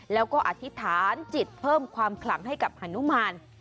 แล้วก็อธิษฐานจิตเพิ่มความขลังให้กับฮานุมาน